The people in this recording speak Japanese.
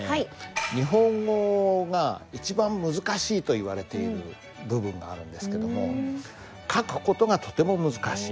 日本語が一番難しいといわれている部分があるんですけども書く事がとても難しい。